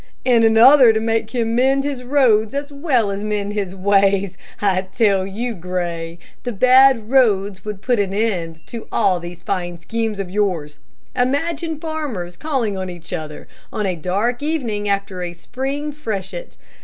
"And another to make him mend his roads as well as mend his ways. I tell you Gray, the bad roads would put an end to all these fine schemes of yours. Imagine farmers calling on each other on a dark evening after a spring freshet.